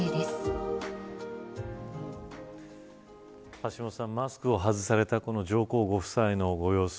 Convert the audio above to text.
橋下さん、マスクを外された上皇ご夫妻のご様子